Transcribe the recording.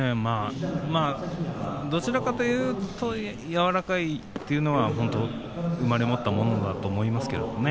どちらかというと柔らかいというのは本当に生まれ持ったものだと思うんですけれどね。